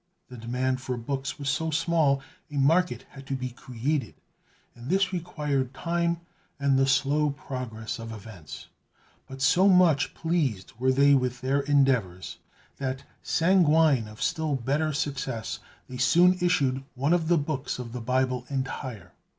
The demand for books was so small, a market had to be created; and this required time and the slow progress of events. But so much pleased were they with their endeavors, that, sanguine of still better success, they soon issued one of the books of the Bible entire.